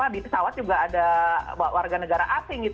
di pesawat juga ada warga negara asing